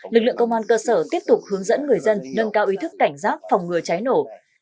lực lượng công an cơ sở tiếp tục hướng dẫn người dân nâng cao ý thức cảnh giác phòng ngừa cháy nổ